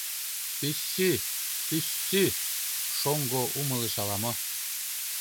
— Пӱссӱ, пӱссӱ... — шоҥго умылыш ала-мо.